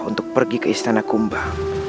untuk pergi ke istana kumba